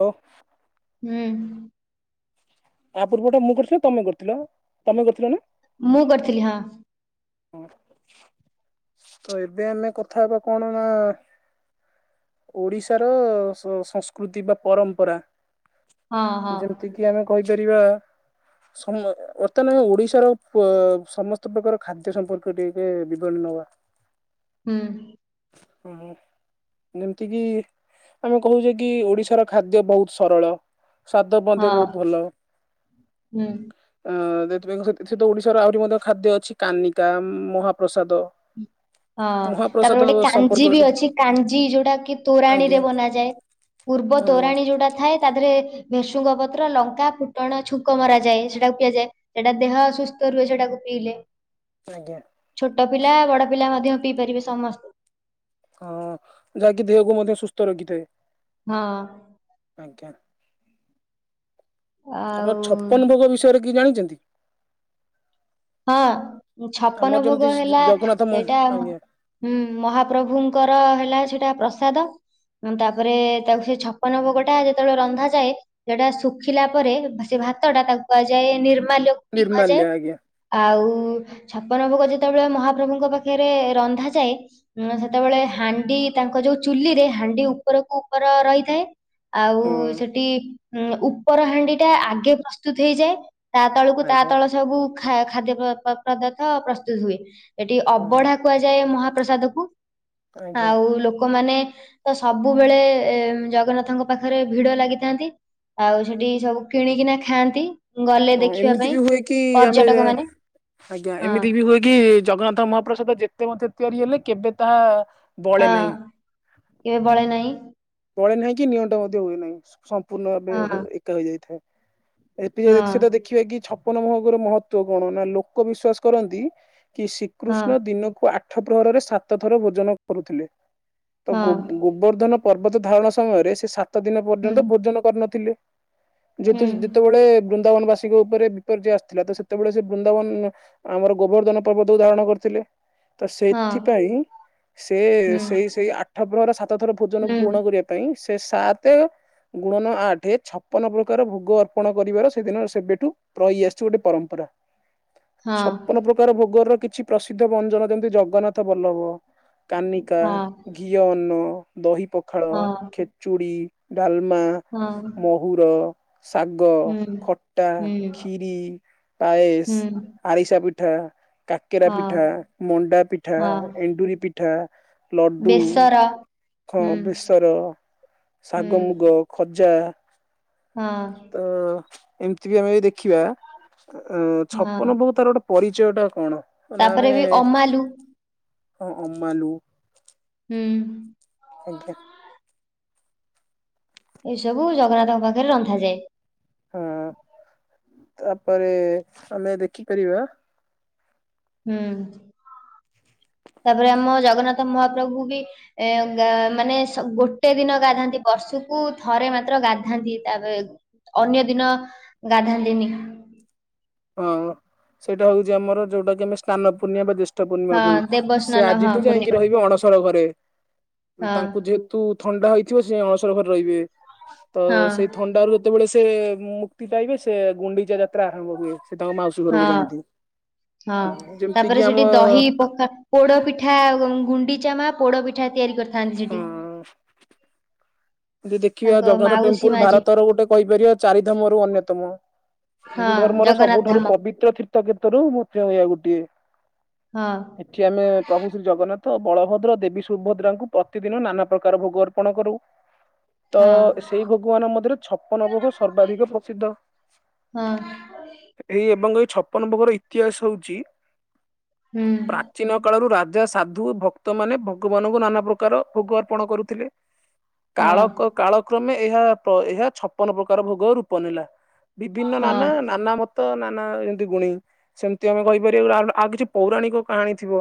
ହୋ। ହୁଁ। ଆ ପୂର୍ବଟା ମୁଁ କରିଥିଲି ନା ତମେ କରିଥିଲ? ତମେ କରିଥିଲ ନା? ମୁଁ କରିଥିଲି, ହଁ। ହଁ। ତ ଏବେ ଆମେ କଥା ହେବା କଣ ନା ଓଡିଶାର ସ-ସଂସ୍କୃତି ବା ପରମ୍ପରା। ହଁ ହଁ ଯେମତିକି ଆମେ କହିପାରିବା ସମ ବର୍ତ୍ତମାନ ଆମ ଓଡିଶାର ପ- ସମସ୍ତ ପ୍ରକାର ଖାଦ୍ୟ ସମ୍ପର୍କୀୟ ଟିକେ ଟିକେ ବିବରଣୀ ନବା। ହୁଁ। ହାଲୋ। ଯେମିତି କିି ଆମେ କହୁଚେ କି ଓଡିଶାର ଖାଦ୍ୟ ବହୁତ ସରଳ। ସ୍ୱାଦ ମଧ୍ୟ ହଁ ବହୁତ ଭଲ। ହୁଁ ଆ ଦେ ଏଥିପାଇଁ ତ କହତ ଏଥିରେ ତ ଓଡିଶାର ଆହୁରି ମଧ୍ୟ ଖାଦ୍ୟ ଅଛି କାନିକା, ମହାପ୍ରସାଦ। ହଁ ତାପରେ ମହାପ୍ରସାଦ ଗୋଟେ କାଞ୍ଜି ବି ସମ୍ପର୍କଟି ଅଛି। କାଞ୍ଜି ଯୋଉଟା କି ତୋରାଣୀ ରେ ଆଜ୍ଞା ବନାଯାଏ। ପୁର୍ବ ହଁ ତୋରାଣୀ ଯୋଉଟା ଥାଏ ତା ଦେହରେ ଭେସୁଙ୍ଗ ପତ୍ର, ଲଙ୍କା, ଫୁଟଣ ଛୁଙ୍କ ମରାଯାଏ। ସେଟାକୁୁ ପିଆଯାଏ। ସେଟା ଦେହ ସୁସ୍ଥ ରୁହେ। ସେଟା ପିଇଲେ। ଆଜ୍ଞା। ଛୋଟ ପିଲା ବଡ ପିଲା ମଧ୍ୟ ପିଇ ପାରିବେ ସମସ୍ତେ। ହଁ ଯାହାକି ଦେହକୁ ମଧ୍ୟ ସୁସ୍ଥ ରଖିଥାଏ। ହଁ ଆଜ୍ଞା। ଆପଣ ଆଉ ଛପନ ଭୋଗ ବିଷୟରେ କି ଜାଣିଚନ୍ତି? ହଁ ଆମର ଛପନ ଯେମିତି ଭୋଗ ହେଲା ଜଗନ୍ନାଥ ମ ସେଇଟା ଆଜ୍ଞା ହୁଁ, ମହାପ୍ରଭୁଙ୍କର ହେଲା ସେଟା ପ୍ରସାଦ। ତାପରେ ତାକୁ ସେ ଛପନ ଭୋଗଟା ଯେତେବେଳେ ରନ୍ଧାଯାଏ ଯେଟା ଶୁଖିଲା ପରେ ଭା-ସେ ଭା ଭାତ ଟା ତାକୁ କୁହାଯାଏ ନିର୍ମାଲ୍ୟ ବି ନିର୍ମାଲ୍ୟ କୁହାଯାଏ। ଆଜ୍ଞା ଆଉ ଛପନ ଭୋଗ ଯେତେବେଳେ ମହାପ୍ରଭୁଙ୍କ ପାଖରେ ରନ୍ଧାଯାଏ ଉଁ, ସେତେବେଳେ ହାଣ୍ଡି ତାଙ୍କ ଅ, ଯୋଉ ଚୁଲି ରେ ହାଣ୍ଡି ଉପରକୁ ଉପର ରହିଥାଏ। ଆଉ ହଁ ସେଠି ଉଁ, ଉପର ହାଣ୍ଡି ଟା ଆଗେ ପ୍ରସ୍ତୁତ ହେଇଯାଏ? ତା ତଳକୁ ତା ଆଜ୍ଞା। ତଳ ସବୁ ଖା-ଖାଦ୍ୟ ପ-ପ-ପଦାର୍ଥ ପ୍ରସ୍ତୁତ ହୁଏ। ଏଠି ହଁ ଅବଢା କୁହାଯାଏ ମହାପ୍ରସାଦ କୁ। ଆଜ୍ଞା ଆଉ ଲୋକମାନେ ତ ସବୁବେଳେ ଏ ଜଗନ୍ନାଥଙ୍କ ପାଖରେ ଭିଡ ଲାଗିଥାନ୍ତି। ଆଉ ସେଠି ସବୁ କିଣିକିନା ଖାଆନ୍ତି। ଗଲେ ହଁ ଦେଖିବା ଏମିତି ପାଇଁ ବି ହୁଏ କି ଆମେ ପର୍ଯ୍ୟଟକ ମାନେ। ଆଜ୍ଞା ହଁ ଏମିତି ବି ହୁଏ କି ଜଗନ୍ନାଥ ମହାପ୍ରସାଦ ଯେତେ ମଧ୍ୟ ତିଆରି ହେଲେ କେବେ ତାହା ବଳେ ହଁ ନାହିଁ କେ ବଳେ ନାଇଁ। ବଳେ ନାହିଁ କି ନିଅଣ୍ଟ ମଧ୍ୟ ହୁଏ ନାହିଁ। ସ- ସମ୍ପୂର୍ଣ୍ଣ ଭାବେ ହଁ ଏକା ହେଇଯାଇଥାଏ। ଏବେ ଯଦି ସେଟା ହଁ ଦେଖିବା କି ଛପନ ଭୋଗର ମହତ୍ଵ କଣ? ନା ଲୋକ ବିଶ୍ଵାସ କରନ୍ତି କି ହଁ ଶ୍ରୀକୃଷ୍ଣ ଦିନକୁ ଆଠ ପ୍ରହରରେ ସାତ ଥର ଭୋଜନ କରୁଥିଲେ। ତ ହଁ ଗୋ- ଗୋବର୍ଦ୍ଧନ ପର୍ବତ ଧାରଣ ସମୟରେ ସେ ସାତ ଦିନ ହୁଁ ପର୍ଯ୍ୟନ୍ତ ଭୋଜନ କରିନଥିଲେ। ହୁଁ ଯେହେତୁ ଯେତେବେଳେ ବୃନ୍ଦ ନ୍ଦାବନ ବାସୀଙ୍କ ଉପରେ ବିପର୍ଯ୍ୟୟ ଆସିଥିଲା ତ ସେତେବେଳେ ସେ ବୃନ୍ଦାବନ ଆମର ଗୋବର୍ଦ୍ଧନ ପର୍ବତକୁ ଧାରଣ କରିଥିଲେ। ତ ହଁ ସେଥିପାଇଁ ସେ ହୁଁ ସେଇ ସେଇ ଆଠ ପ୍ରହର ସାତ ଥର ଭୋଜନ ପୁଣ ହୁଁ କରିବା ପାଇଁ ସେ ସାତ ଗୁଣନ ଆଠେ ଛପନ ପ୍ରକାର ଭୋଗ ଅର୍ପଣ କରିବାର ସେଦିନ ସେବେଠୁ ରହି ଆସିଛି ଗୋଟେ ପରମ୍ପରା। ରା। ହଁ ଛପନ ପ୍ରକାର ଭୋଗର କିଛି ପ୍ରସିଦ୍ଧ ବଞ୍ଜନ ଯେମତି ଜଗନ୍ନାଥ ବଲ୍ଲବ। କାନିକା, ହଁ ଘିଅ ଅନ୍ନ, ଦହି ପଖାଳ, ହଁ ଖେଚୁଡ଼ି, ଡାଲ ମା, ହଁ ମହୁୁର। ଶାଗ, ହୁଁ ଖଟା, ହୁଁ କ୍ଷୀରି, ପାଏସ, ହୁଁ ଆରିସା ପି ଠା, କାକେରା ହଁ ପିଠା, ମଣ୍ଡା ପିଠା, ହଁ ଏଣ୍ଡୁରି ପିଠା। ଲଡୁ, ବେସର ଖ ହୁଁ ବେସର, ହୁଁ ଶାଗ ମୁଗ, ଖଜ ଜା। ହଁ ତ ଏମିତି ବି ଆମେ ଯଦି ଦେଖିବା ଅ, ହଁ ଛପନ ଭୋଗ ତାର ଗୋଟେ ପରିଚୟ ଟା କଣ? ତାପରେ ବି ଅମାଲୁ। ହଁ ଅମାଲୁ। ହୁଁ। ଆଜ୍ଞା। ଏଇ ସବୁ ଜଗନ୍ନାଥଙ୍କ ପାଖରେ ରନ୍ଧାଯାଏ। ହଁ ତାପରେ ଆମେ ଦେଖିପାରିବା ହୁଁ। [inaudible] ତାପରେ ଆମ ଜଗନ୍ନାଥ ମହାପ୍ରଭୁ ବି ଏ ଗ ମାନେ ସ ଗୋଟେ ଦିନ ଗାଧାନ୍ତି ବର୍ଷୁ କୁ ଥରେ ମାତ୍ର ଗାଧାନ୍ତି, ତାପରେ ଅନ୍ୟ ଦିନ ଗାଧାନ୍ତିନି। ହଁ ସେଇଟା ହଉଛି ଆମର, ଯୋଉଟା କି ଆମେ ସ୍ନାନ ପୂର୍ଣ୍ଣିଆ ବା ଜେ ଷ୍ଟ ହଁ ପୂର୍ଣ୍ଣିମାକୁ, ସେ ଦେବସ୍ନାନ ହଁ ଆଜିଠୁ ଯାଇକି ପୂର୍ଣ୍ଣିମା ରହିବେ ଅଣସର ଘରେ। ହଁ ତାଙ୍କୁ ଯେହେତୁ ଥଣ୍ଡା ହେଇ ଦେଖିବ ସେ ଅଣସର ଘରେ ରହିବେ। ତ ହଁ ସେଇ ଥଣ୍ଡା ରୁ ଯେତେବେଳେ ସେ-ଏ-ଏ ମୁକ୍ତି ପାଇବେ ସେ ଗୁଣ୍ଡିଚା ଯାତ୍ରା ଆରମ୍ଭ ହୁଏ। ସେ ତାଙ୍କ ମାଉସୀ ଘରକୁ ହଁ ଯାଆନ୍ତି। ହଁ ଯେମିତି କିି ତାପରେ, ଆମ ସେଠି ଦହି ପଖା ପୋଡପିଠା ଅ ଗୁଣ୍ଡିଚାମା ପୋଡ ପି ତିଆରି କରିଥାନ୍ତି ସେଠି। ଯେ ଦେଖିବା ତାଙ୍କ ଜଗନ୍ନାଥ ମାଉସୀ ଟେମ୍ପୁଲ ମା ଯିଏ ଭାରତର ଗୋଟେ କହିପାରିବା ଚାରିଧାମ ରୁ ଅନ୍ୟତମ। ହିନ୍ଦୁ ହଁ ଧର୍ମର ଜଗନ୍ନାଥ ସବୁଠାରୁ ଧାମ ପବିତ୍ର ତୀର୍ଥ କ୍ଷେତରୁ ମଧ୍ୟ ଏହା ଗୋଟିଏ। ହଁ ଏଠି ଆମେ ପ୍ରଭୁ ଶ୍ରୀ ଜଗନ୍ନାଥ ତ ବଳଭଦ୍ର ଦେବୀ ସୁଭଦ୍ରାଙ୍କୁ ପ୍ରତିଦିନ ନାନା ପ୍ରକାର ଭୋଗ ଅର୍ପଣ କରୁ। ତ ହଁ ସେଇ ଭୋଗମାନଙ୍କ ମଧ୍ୟରେ ଛପନ ଭୋଗ ସର୍ବାଧିକ ପ୍ରସିଦ୍ଧ। ହଁ ଏଇ ଏବଂ ଏ ଛପନ ଭୋଗର ଇତିହାସ ହଉଛି। ହୁଁ ପ୍ରାଚୀନ କାଳରୁ ରାଜ ଯାହା ସାଧୁ ଭକ୍ତ ମାନେ ଭଗବାନଙ୍କୁ ନାନା ପ୍ରକାର ଭୋଗ ଅର୍ପଣ କରୁଥିଲେ। ହଁ କାଳ କ କାଳକ୍ରମେ ଏହା ପ ଏହା ଛପନ ପ୍ରକାର ଭୋଗ ରୂପ ନେଲା। ବିଭିନ୍ନ ହଁ ନାନା ନାନା ମ ତ ନାନା ଏମିତି ଗୁଣି ସେମିତି ଆମେ କହିପାରିବା ଆ ଆଉ କିଛି ପୌରାଣିକ କାହାଣୀ ଥିବ।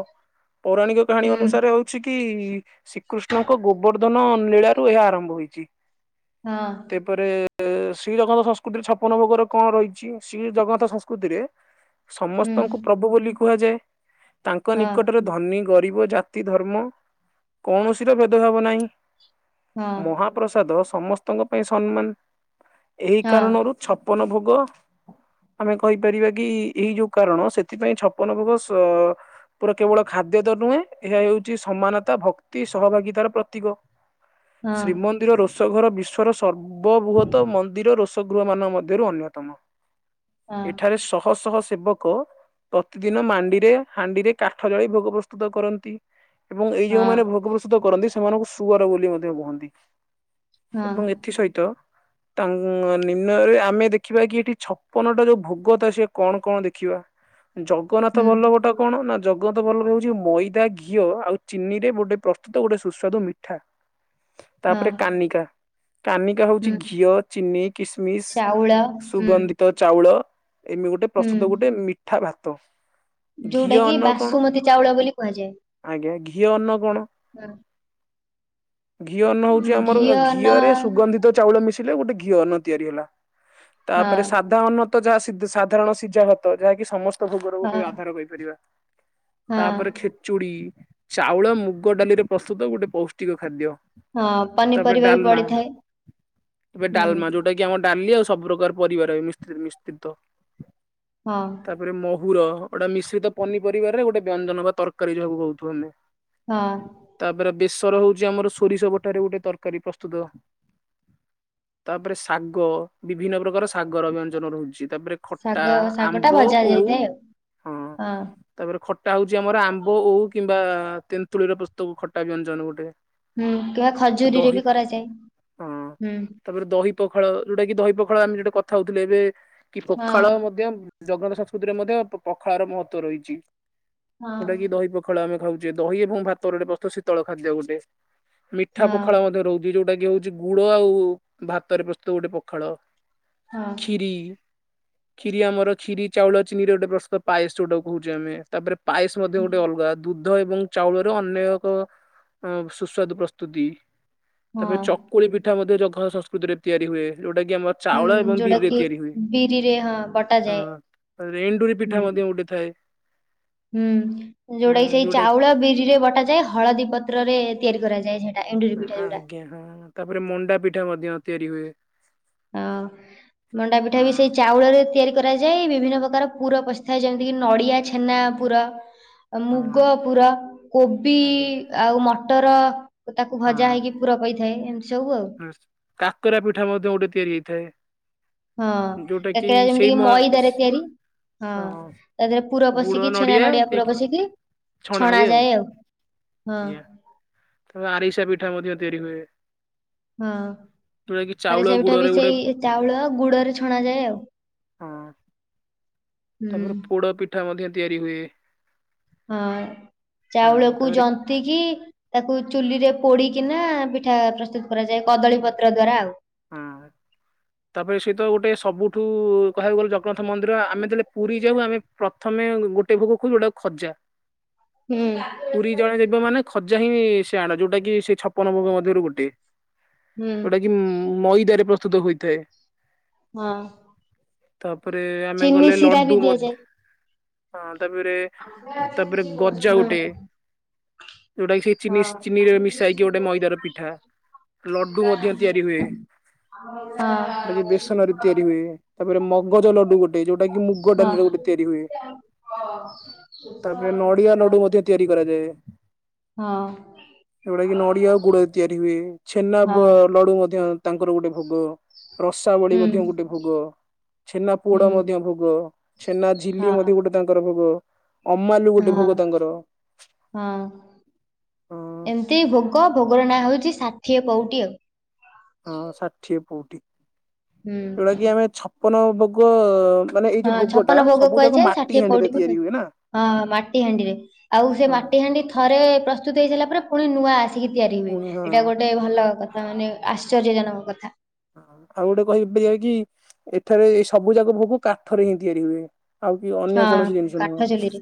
ପୌରାଣିକ କାହାଣୀ ହୁଁ ଅନୁସାରେ ହଉଛି କି-ଇ-ଇ-ଇ, ଶ୍ରୀକୃଷ୍ଣଙ୍କ ଗୋବର୍ଦ୍ଧନ ଲୀଳା ଠୁ ଏହା ଆରମ୍ଭ ହୋଇଛି। ହଁ ତେପରେ ଏ-ଏ-ଏ ଶ୍ରୀ ଜଗନ୍ନାଥ ସଂସ୍କୃତିରେ ଛପନ ଭୋଗରେ କଣ ରହିଛି, ଶ୍ରୀ ଜଗନ୍ନାଥ ସଂସ୍କୃତିରେ ହୁଁ ସମସ୍ତଙ୍କୁ ପ୍ରଭୁ ବୋଲି କୁହାଯାଏ। ତାଙ୍କ ହଁ ନିକଟରେ ଧନୀ ଗରିବ ଜାତି ଧର୍ମ କୌଣସିର ଭେଦଭାବ ନାହିଁ। ମହାପ୍ରସାଦ ସମସ୍ତଙ୍କ ପାଇଁ ସମ୍ମାନ। ଏହି କାରଣରୁ ଛପନ ଭୋ ଗ ଆମେ କହିପାରିବା କି ଏଇ ଯୋଉ କାରଣ, ସେଥିପାଇଁ ଛପନ ଭୋଗ ସ-ଅ-ଅ ପୁରା କେବଳ ଖାଦ୍ୟ ତ ନୁହେଁ, ଏହା ହେଉଛି ସମାନତା ଭକ୍ତି ସହଭାଗିତାର ପ୍ରତୀକ। ଶ୍ରୀମନ୍ଦିର ରୋଷଘର ବିଶ୍ଵର ସର୍ବବୃହତ ମନ୍ଦିର ରୋଷ ଗୃହ ମାନଙ୍କ ମଧ୍ୟରୁ ଅନ୍ୟତମ। ଏଠାରେ ଶହ ଶହ ସେବକ ପ୍ରତିଦିନ ମାଣ୍ଡିରେ ହାଣ୍ଡିରେ କାଠ ଜାଳି ଭୋଗ ପ୍ରସ୍ତୁତ କରନ୍ତି। ଏବଂ ଏଇ ଯୋଉମାନେ ଭୋଗ ପ୍ରସ୍ତୁତ କରନ୍ତି ସେମାନଙ୍କୁ ସୁଅର ବୋଲି ମଧ୍ୟ କୁହନ୍ତି। ଏବଂ ଏଥି ସହିତ ତାଙ୍କ ନିର୍ଣ୍ଣୟରେ ଆମେ ଦେଖିବା କି ଏଠି ଛପନ ଟା ଯୋଉ ଭୋଗତା ସିଏ କଣ କଣ ଦେଖିବା ଜଗନ୍ନାଥ ହୁଁ ବଲ୍ଲଭୋଟା କଣ ନା ଜଗତ ବଲ୍ଲଭ ହଉଛି ମଇଦା, ଘିଅ ଆଉ ଚିନି ରେ ଗୋଟେ ପ୍ରସ୍ତୁତ ଗୋଟେ ସୁସ୍ୱାଦୁ ମିଠା। ହଁ ତାପରେ କାନିକା। କାନିକା ହଉଛି ହୁଁ ଘିଅ, ଚିନି, କିସମିସ, ଚାଉଳ ହୁଁ ସୁଗନ୍ଧିତ ଚାଉଳ ଏମି ଗୋଟେ ହୁଁ ପ୍ରସ୍ତୁତ ଗୋଟେ ମିଠା ଭାତ। ଯୋଉଟା ଘିଅ କି ଅନ୍ନ କଣ, ବାସୁମତୀ ଚାଉଳ ବୋଲି କୁହାଯାଏ ଆଜ୍ଞା ଘିଅ ଅନ୍ନ କଣ? [unintelligible] ଘିଅ ଅନ୍ନ ହଉଛି ହୁଁ ଆମର ଘିଅ ନ ଘିଅରେ ସୁଗନ୍ଧିତ ଚାଉଳ ମିଶିଲେ ଗୋଟେ ଘିଅ ଅନ୍ନ ତିଆରି ହେଲା। ହଁ ତାପରେ ସାଧା ଅନ୍ନ ତ ଯାହା ସ ସାଧାରଣ ସିଝା ଭାତ ଯାହାକି ସମସ୍ତ ଭୋଗର ହଁ ଗୋଟେ ଆଧାର କହିପାରିବା। ହଁ ତାପରେ ଖେଚୁଡ଼ି ଚାଉଳ, ମୁଗ ଡାଲିରେ ପ୍ରସ୍ତୁତ ଗୋଟେ ପୌଷ୍ଟିକ ଖାଦ୍ୟ। ହଁ ତାପରେ ପନିପରିବା ବି ଡ଼ାଲମା ପଡିଥାଏ ଏବେ ହୁଁ ଡ଼ାଲମା ଯୋଉଟା କି ଆମ ଡ଼ାଲି ଆଉ ସବୁ ପ୍ରକାର ପରିବାରେ ମିସ୍ତ୍ରୀ-ମିସ୍ତ୍ରୀତ ହଁ ତାପରେ ମୋ ପୁର ଗୋଟେ ମିଶ୍ରିତ ପନିପରିବାରେ ଗୋଟେ ବ୍ୟଞ୍ଜନ ବା ତରକାରୀ ଯାହାକୁ କୋହୁଚୁ ଆମେ। ହଁ। ଧର ହୋଉଚି ଆମର ସୋରିଷ ବଠାରେ ଗୋଟେ ତରକାରୀ ପ୍ରସ୍ତୁତ। ତାପରେ ଶାଗ ବିଭିନ୍ନ ପ୍ରକାର ଶାଗର ବ୍ୟଞ୍ଜନ ରହୁଚି। ତାପରେ ଖଟା ଶାଗ ଆମ୍ବ ଶାଗଟା ଭଜା ଓଉ ଯାଇଥାଏ ହଁ ଆଉ ହଁ ତାପରେ ଖ ସେଟା ହୋଉଛି ଆମର ଆମ୍ବ ଓଉ କିମ୍ବା ତେନ୍ତୁଳିର ପ୍ରସ୍ତୁତ ଖଟା ବ୍ୟଞ୍ଜନ ଗୋଟେ। ହୁଁ [unintelligible] ଖଜୁରୀରେ ଦହି ବି କରାଯାଏ। ହଁ ହୁଁ ତାପରେ ଦହି ପଖାଳ ଯୋଉଟା କି ଦହି ପଖା ପଖାଳ ଆମେ ଯୋଉଟା କଥା ହୋଉଥିଲେ ଏବେ କି ହଁ ପଖାଳ ମଧ୍ୟ ଜଗନ୍ନାଥ ସଂସ୍କୃତିରେ ମଧ୍ୟ ପଖାଳର ମହତ୍ଵ ରହିଚି ହଁ ଯୋଉଟା କିି ଦହି ପଖାଳ ଆମେ ଖାଉ ଦହି ଏବଂ ଭାତରେ ଏଟା ପ୍ରସ୍ତୁତ ଶୀତଳ ଖାଦ୍ୟ ଗୋଟେ ମିଠା ପଖାଳ ମଧ୍ୟ ରହୁଚି ଯୋଉ ଟା କି ହୋଉଚି ଗୁଡ ଆଉ ଭାତରେ ପ୍ରସ୍ତୁତ ଗୋଟେ ପଖାଳ ହଁ ଖିରି। ଖିରି ଆମର ଖିରି ଚାଉଳ ଚିନିରେ ଗୋଟେ ପ୍ରସ୍ତୁତ ପାଏସ୍ ଯୋଉଟାକୁ କୋହୁଚେ ଆମେ ତାପରେ ପାଏସ ମଧ୍ୟ ହଁ ଗୋଟେ ଅଲଗା ଦୁଧ ଏବଂ ଚାଉଳରେ ଅନ୍ୟ ଏକ ‌ହଁ ସୁସ୍ୱାଦୁ ପ୍ରସ୍ତୁତି ତାପରେ ହଁ ଚକୁଳି ପିଠା ମଧ୍ୟ ଜଗନ୍ନାଥ ସଂସ୍କୃତିରେ ତିଆରି ହୁଏ। ଯୋଉଟା କି ଆମର ଚାଉଳ ହୁଁ ଏବଂ ଯୋଉଟା ବିରିରେ କି ତିଆରି ହୁଏ‌। ବିରିରେ ହଁ ହଁ। ବଟାଯାଏ। ତାପରେ ଏଣ୍ଡୁରି ପିଠା ହୁଁ। ମଧ୍ୟ ଗୋଟେ ଥାଏ। ହୁଁ ଯୋଉଟା କି ସେଇ ଚାଉଳ ବିରିରେ ବଟାଯାଏ ହଳଦୀ ପତ୍ର ରେ ତିଆରି କରାଯାଏ ସେଟା ଆଜ୍ଞା ହଁ ତାପରେ ମଣ୍ଡା ପିଠା ମଧ୍ୟ ତିଆରି ହୁଏ। ହଁ ମଣ୍ଡା ପିଠା ବି ହଁ। ସେଇ ଚାଉଳରେ ତିଆରି [unintelligible] କରାଯାଏ ବିଭିନ୍ନ ପ୍ରକାର ପୁର ପସିଥାଏ ଯେମିତିକି ନଡ଼ିଆ ଛେନା ପୁର। ହଁ ମୁଗ ପୁର କୋବି ଆଜ୍ଞା ଆଉ ମଟର ତାକୁ ଭଜା ହେଇକି ହଁ ପୁର ପ‌ଇଥାଏ ଏମିତି ସବୁ ଆଉ। ତେ ହଁ କାକରା ଯେମିତି କି ମଇଦାରେ ତିଆରି। ହଁ ତା ଦେହରେ ପୁର ଗୁଡ ପଶିକି ଛେନା ନଡିଆ ନଡ଼ିଆ ପୁର ଦେଇକି ପଶିକି ଛଣା ଯାଏ ଆଉ ହଁ। ତ ଆରିସା ପିଠା ମଧ୍ୟ ତିଆରି ହୁଏ। ହଁ। ଯୋଉଟା କି ଚାଉଳ ଆରେ ସେଇଠା ବି ଗୁଡରେ ଗୋଟେ ସେଇ ଚାଉଳ ଗୁଡରେ ଛଣା ଯାଏ ଆଉ। ହଁ ହୁଁ। ତାପରେ ପୋଡ଼ପିଠା ମଧ୍ୟ ତିଆରି ହୁଏ। ହଁ ହଁ ଚାଉଳକୁ ତାପରେ ଜନ୍ତିିକି ତାକୁ ଚୁଲିରେ ପୋଡିକିନା ପିଠା ପ୍ରସ୍ତୁତ କରାଯାଏ କଦଳୀ ପତ୍ର ଦ୍ଵାରା ଆଉ। ହଁ ତାପରେ ସହିତ ଗୋଟେ ସବୁଠୁ କହିବାକୁ ଗଲେ ଜଗନ୍ନାଥ ମନ୍ଦିର ଆମେ ଯେତେବେଳେ ପୁରି ଯାଉ ଆମେ ପ୍ରଥମେ ଗୋଟେ ଭୋଗ କୋହୁ ଯୋଉଟାକୁ ଖଜା ହୁଁ ପୁରି ଜଣେ ଜିବ ମାନେ ଖଜା ହିଁ ସେ ଆଣ ଯୋଉଟା କି ସେ ଛପନ ଭୋଗ ମଧ୍ୟରୁ ଗୋଟେ। ହୁଁ। ଯୋଉଟା କି ମଇଦାରେ ପ୍ରସ୍ତୁତ ହୋଇଥାଏ। ହଁ। ତାପରେ ଆମେ ଚିନି ଗଲେ ଶିରା ବି ଲଡୁ ମ ଦିଆଯାଏ। ତାପରେ ତାପରେ ହୁଁ ଗଜା ହଁ ଗୋଟେ ଯୋଉଟା କି ସେ ହଁ ଚିନିସ ଚିନିରେ ମିଶା ହେଇକି ଗୋଟେ ମଇଦାର ପିଠା। ଲଡୁ ମଧ୍ୟ ତିଆରି ହୁଏ ହଁ ହଁ ହଁ ଯେଉଟା କି ହୁଁ ବେସନ ରେ ହୁଁ ତିଆରି ହୁଏ। ତାପରେ ମଗଜ ଲଡୁ ଗୋଟେ ଯୋଉଟା କି ମୁଗ ହଁ। ଡାଲିରେ ଗୋଟେ ତିଆରି ହୁଏ। ତାପରେ ନଡ଼ିିଆ ନଡୁ ମଧ୍ୟ ତିଆରି କରାଯାଏ। ଏଗୁଡା କି ନଡିଆ ଆଉ ଗୁଡ ତିଆରି ହୁଏ ଛେନା ପ ଲଡୁ ମଧ୍ୟ ତାଙ୍କର ଗୋଟେ ଭୋଗ ରସାବଳି ମଧ୍ୟ ଗୋଟେ ଭୋଗ। ଛେନା ପୋଡ ମଧ୍ୟ ଭୋଗ। ଛେନା ଝିଲି ମଧ୍ୟ ଗୋଟେ ତାଙ୍କର ଭୋଗ। ଅମାଲୁ ଗୋଟେ ହଁ ଭୋଗ ତାଙ୍କର। ହଁ ଏମତି ଭୋଗ ଭୋଗର ନାଁ ହଉଚି ଷାଠିଏ ପଉଟି ଆଉ। ହଁ ଷାଠିଏ ପଉଟି ଯୋଉଟା ହୁଁ। କିି ଆମେ ଛପନ ଭୋଗ ମାନେ ଏଇ ହଁ ଯୋଉ ଭୋଗଟା ଛପନ ଭୋଗ ସବୁ ଯାକ କୁହାଯାଏ ଷାଠିଏ ମାଟି ହାଣ୍ଡିରେ ପଉଡିକୁ ତିଆରି କୁହାଯାଏ। ହୁଏ ନା। ହଁ ମାଟି ହାଣ୍ଡିରେ, ଆଉ ସେ ହଁ ମାଟି ହାଣ୍ଡି ଥରେ ପ୍ରସ ସ୍ତୁତ ହେଇ ସାଇଲା ପରେ ପୁଣି ନୂଆ ଆସିକି ତିଆରି ହୁଏ, ପୁଣି ହଁ ଏଇଟା ଗୋଟେ ଭଲ କ ଥା ମାନେ ଆଶ୍ଚର୍ଯ୍ୟଜନକ କଥା। ହ ଆଉ ଗୋଟେ କହିପାରିବା କି ଏଠାରେ ଏଇ ସବୁ ଯାକ ଭୋଗ କାଠରେ ହିଁ ତିଆରି ହୁଏ। ଆଉ କି ଅନ୍ୟ କୌଣସି ହଁ ଜିନିଷ କାଠ ନୁହଁ, ଚୁଲିରେ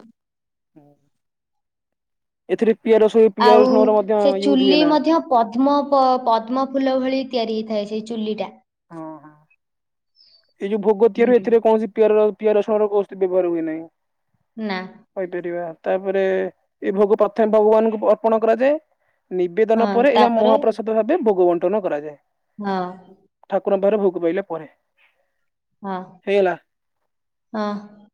ଏଥିରେ ପିଆଜ ରସୁଣ ପିଆଜ ଆଉ ରସୁଣର ମଧ୍ୟ ସେ ୟୁଜ ହୁଏ ଚୁଲି ନା ମଧ୍ୟ ପଦ୍ମ ପ ପଦ୍ମ ଫୁଲ ଭଳି ତିଆରି ହେଇଥାଏ। ସେଇ ଚୁଲିଟା। ଏଇ ଯୋଉ ଭୋଗ ତିଆରି ହୁଏ ହୁଁ ଏଥିରେ କୌଣସି ପିଆର ପିଆର ରସୁଣର ପୋସ୍ତ ବ୍ୟବହାର ହୁଏ ନାହିଁ। ନା କହିପାରିବା। ତାପରେ ଏ ଭୋଗ ପ୍ରଥମେ ଭଗବାନଙ୍କୁ ଅର୍ପଣ କରାଯାଏ। ହଁ ନିବେଦନ ପରେ ଏହା ତାପରେ ମହାପ୍ରସାଦ ଭାବେ ଭୋଗ ବଣ୍ଟନ କରାଯାଏ। ହଁ। ଠାକୁରଙ୍କ ପାଖରେ ଭୋଗ ପାଇଲା ପରେ। ହଁ ହେଇଗଲା ହଁ।